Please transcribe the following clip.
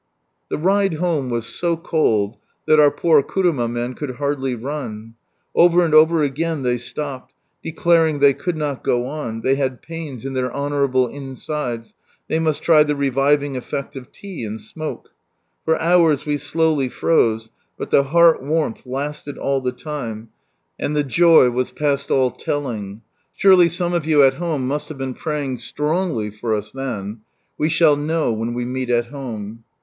The ride home was so cold that our poor kuruma men could hardly run. Over and over again they stopped, declaring they could not go on, they had pains in their honourable insides, they must try the reviving effect of tea, and smoke. For hours we slowly froze, but the heart warmth lasted all the time, and the joy 96 From Sunrise Land was past all telling. Surely some of you at home must have been praying strongly for us then. We shall know when we meet at Home.